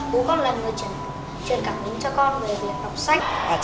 cố gắng là người truyền cảm nhận cho con về việc đọc sách